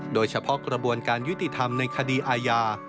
โดยเฉพาะกระบวนการยุติธรรมในคดีอาญา